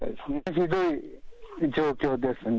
ひどい状況ですね。